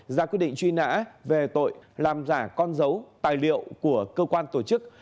ra quyết định truy nã về tội làm giả con dấu tài liệu của cơ quan tổ chức